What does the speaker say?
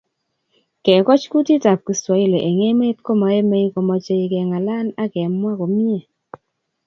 Kekoch kutitab kiswahili eng emet komoimei komoche kengalal ak kemwa komie